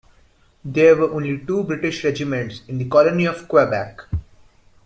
There were only two British regiments in the colony of Quebec.